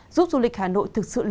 giúp du lịch hà nội thực sự tốt hơn